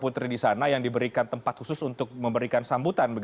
putri di sana yang diberikan tempat khusus untuk memberikan sambutan